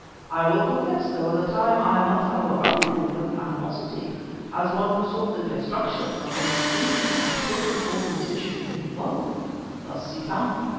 I will confess there was a time when I must have regarded you with animosity, as one who sought the destruction of the most ancient and potent organization in the world the Si Fan."